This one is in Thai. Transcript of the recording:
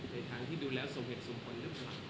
ในทางที่ดูแล้วสมเหตุสมตล